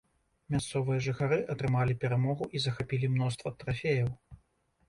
Мясцовыя жыхары атрымалі перамогу і захапілі мноства трафеяў.